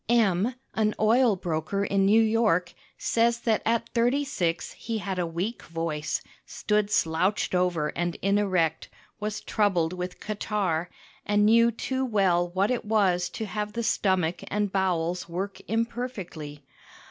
M , an oil broker in New York, says that at thirty six he had a weak voice, stood slouched over and inerect, was troubled with catarrh, and knew too well what it was to have the stomach and bowels work imperfectly.